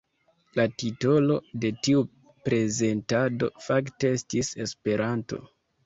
La titolo de tiu prezentado fakte estis ”Esperanto”.